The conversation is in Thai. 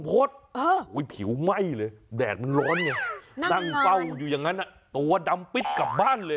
ผิวไหม้เลยแดดมันร้อนไงนั่งเฝ้าอยู่อย่างนั้นตัวดำปิดกลับบ้านเลย